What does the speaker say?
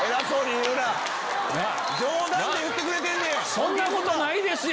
そんなことないですよ！